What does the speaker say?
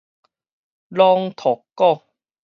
朗讀稿